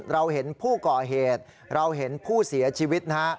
เราเห็นผู้ก่อเหตุเราเห็นผู้เสียชีวิตนะฮะ